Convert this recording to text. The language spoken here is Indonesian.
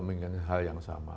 menginginkan hal yang sama